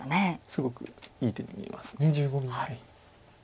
すごくいい手に見えます。